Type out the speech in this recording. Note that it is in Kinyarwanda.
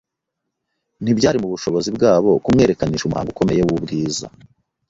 Ntibyari mu bushobozi bwabo kumwerekanisha umuhango ukomeye w'ubwiza